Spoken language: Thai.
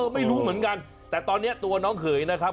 ไม่รู้เหมือนกันแต่ตอนนี้ตัวน้องเขยนะครับ